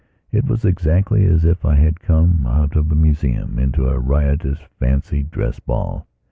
It was exactly as if I had come out of a museum into a riotous fancy dress ball.